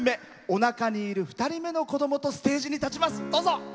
おなかにいる２人目の子供とステージに立ちます。